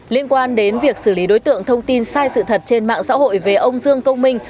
liên quan đến việc xử lý đối tượng thông tin sai sự thật trên mạng xã hội về ông dương công minh